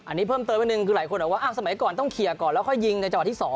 อันนี้เพิ่มเติมนิดนึงคือหลายคนบอกว่าสมัยก่อนต้องเคลียร์ก่อนแล้วค่อยยิงในจังหวะที่๒